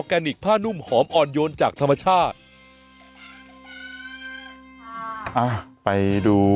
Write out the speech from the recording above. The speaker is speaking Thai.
อ้าวไปดู